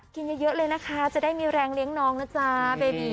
กินเยอะเลยนะคะจะได้มีแรงเลี้ยงน้องนะจ๊ะเบบี